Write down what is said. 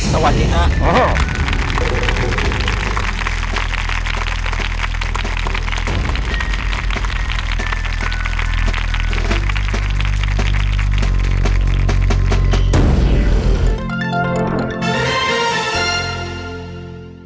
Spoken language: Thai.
สวัสดีครับ